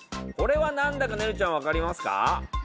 これはなんだかねるちゃんわかりますか？